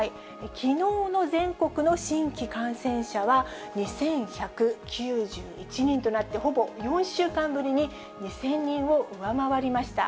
きのうの全国の新規感染者は、２１９１人となって、ほぼ４週間ぶりに２０００人を上回りました。